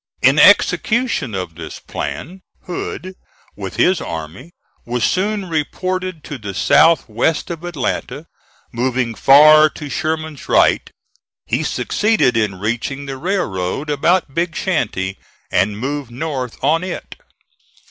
In execution of this plan, Hood, with this army, was soon reported to the south west of Atlanta. Moving far to Sherman's right, he succeeded in reaching the railroad about Big Shanty, and moved north on it.